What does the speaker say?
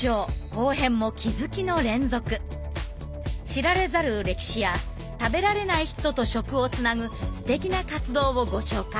知られざる歴史や食べられない人と食をつなぐすてきな活動をご紹介。